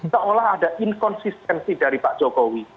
seolah ada inkonsistensi dari pak jokowi